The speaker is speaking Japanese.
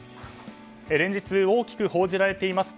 連日、大きく報じられています